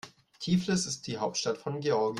Tiflis ist die Hauptstadt von Georgien.